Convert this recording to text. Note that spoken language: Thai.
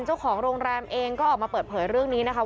เจ้าของโรงแรมเองก็ออกมาเปิดเผยเรื่องนี้นะคะ